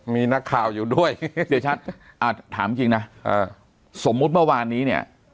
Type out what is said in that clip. มีนักข่าวอยู่ด้วยเสียชัดถามจริงนะสมมุติเมื่อวานนี้เนี่ย